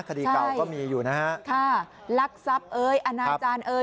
คดีเก่าก็มีอยู่นะฮะค่ะลักทรัพย์เอ้ยอนาจารย์เอ้ย